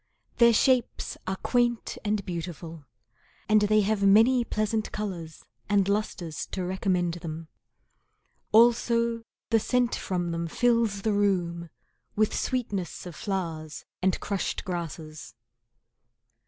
Their shapes are quaint and beautiful, And they have many pleasant colours and lustres To recommend them. Also the scent from them fills the room With sweetness of flowers and crushed grasses.